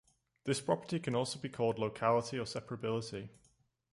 This property can also be called locality or separability.